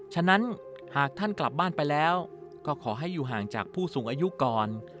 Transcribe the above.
ฉะนั้นหากท่านกลับบ้านไปแล้วก็ขอให้อยู่ห่างจากผู้สูงอายุก่อน